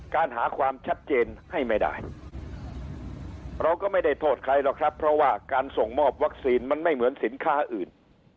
การหาความชัดเจนให้ไม่ได้เราก็ไม่ได้โทษใครหรอกครับเพราะว่าการส่งมอบวัคซีนมันไม่เหมือนสินค้าอื่น